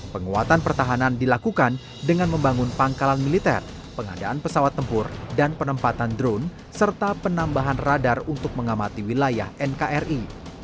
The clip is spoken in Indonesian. penguatan pertahanan dilakukan dengan membangun pangkalan militer pengadaan pesawat tempur dan penempatan drone serta penambahan radar untuk mengamati wilayah nkri